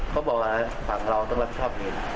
เขาบอกว่าฝั่งเราต้องรับผิดชอบเอง